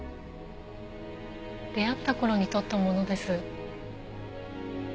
出会った頃に撮ったものです。